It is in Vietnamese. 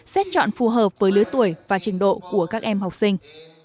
xét chọn phù hợp với lứa tuổi và trình độ của các em học sinh